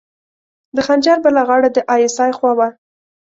د خنجر بله غاړه د ای اس ای خوا وه.